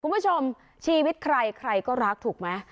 คุณผู้ชมชีวิตใครใครก็รักถูกไหม